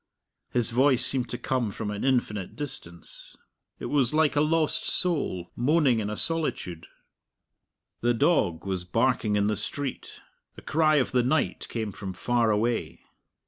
His voice seemed to come from an infinite distance. It was like a lost soul moaning in a solitude. The dog was barking in the street. A cry of the night came from far away.